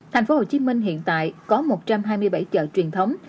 tp hcm hiện tại có một trăm hai mươi bảy chợ truyền thống